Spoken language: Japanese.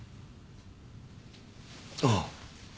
ああ。